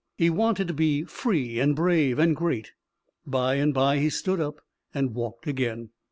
He wanted to be free and brave and great. By and by he stood up and walked again.